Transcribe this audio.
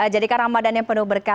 jadikan ramadan yang penuh berkah